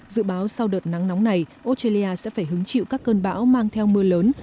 dự báo sau đợt nắng nóng này australia sẽ phải hứng chịu các cơn bão mang theo mưa lớn